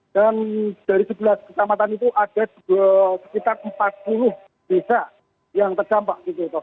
dan dari sebelas kesamatan itu ada sekitar empat puluh desa yang terdampak